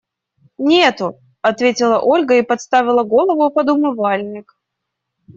Нету, – ответила Ольга и подставила голову под умывальник.